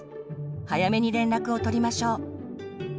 早めに連絡をとりましょう。